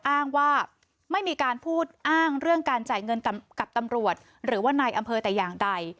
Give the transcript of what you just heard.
อ้างว่าไม่มีการพูดอ้างเรื่องการจ่ายเงินกับตำรวจหรือว่านายอำเภอแต่อย่างใด